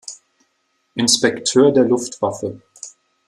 Inspekteur der Luftwaffe.